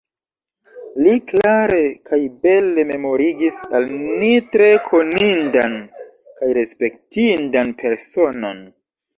Li klare kaj bele memorigis al ni tre konindan kaj respektindan personon.